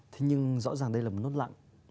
thế nhưng rõ ràng đây là một nốt lặng